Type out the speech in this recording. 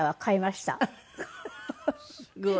すごい。